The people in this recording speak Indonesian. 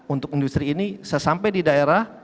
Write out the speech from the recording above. untuk industri ini sesampai di daerah